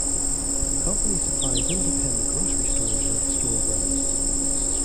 The company supplies independent grocery stores with store brands.